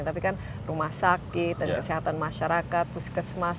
tapi kan rumah sakit dan kesehatan masyarakat puskesmas